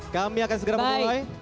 kami akan segera mulai